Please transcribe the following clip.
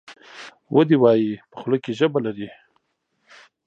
ودي وایي ! په خوله کې ژبه لري .